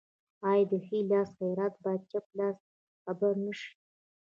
آیا د ښي لاس خیرات باید چپ لاس خبر نشي؟